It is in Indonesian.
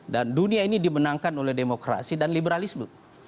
dan dunia ini dimenangkan oleh demokrasi dan liberalisme